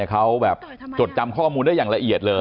เขาแบบจดจำข้อมูลได้อย่างละเอียดเลย